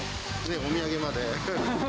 お土産まで。